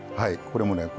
これもね